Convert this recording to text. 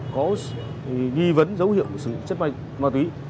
có ghi vấn dấu hiệu của sự chất ma túy